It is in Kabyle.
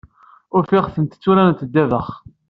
Ufiɣ-tent tturarent ddabax.